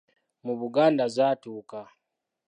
Mu Buganda zaatuuka.